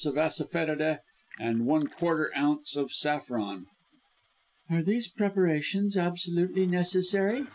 of assafoetida, and 1/4 oz. of saffron. "Are these preparations absolutely necessary?"